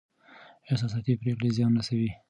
احساساتي پرېکړې زيان رسوي.